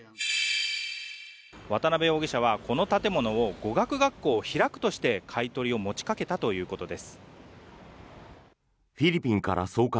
渡邉容疑者はこの建物を語学学校を開くとして買い取りを持ちかけたということです。